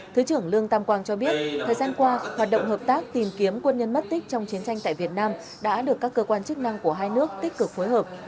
thứ trưởng lương tam quang cho biết thời gian qua hoạt động hợp tác tìm kiếm quân nhân mất tích trong chiến tranh tại việt nam đã được các cơ quan chức năng của hai nước tích cực phối hợp